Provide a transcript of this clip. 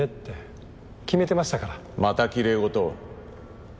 またきれい事を。